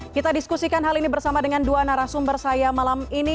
kita diskusikan hal ini bersama dengan dua narasumber saya malam ini